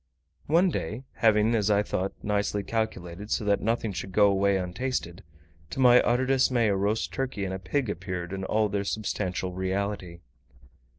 One day, having, as I thought, nicely calculated so that nothing should go away untasted, to my utter dismay a roast turkey and a pig appeared in all their substantial reality.